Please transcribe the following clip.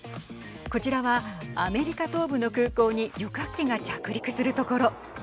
こちらは、アメリカ東部の空港に旅客機が着陸するところ。